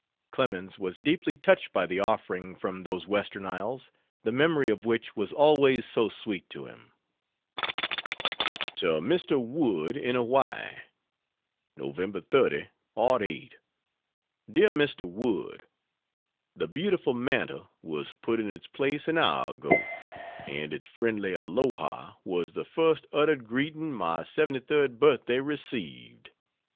Clemens was deeply touched by the offering from those "western isles" the memory of which was always so sweet to him. To Mr. Wood, in Hawaii: Nov. 30, '08. DEAR MR. WOOD, The beautiful mantel was put in its place an hour ago, and its friendly "Aloha" was the first uttered greeting my 73rd birthday received.